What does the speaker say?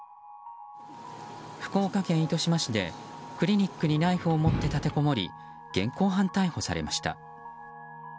福岡県糸島市でクリニックにナイフを持って立てこもり現行犯逮捕されました。